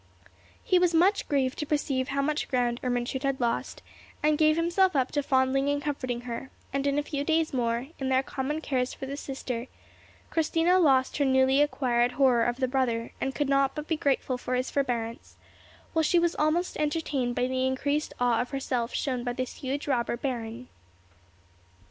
He was much grieved to perceive how much ground Ermentrude had lost, and gave himself up to fondling and comforting her; and in a few days more, in their common cares for the sister, Christina lost her newly acquired horror of the brother, and could not but be grateful for his forbearance; while she was almost entertained by the increased awe of herself shown by this huge robber baron.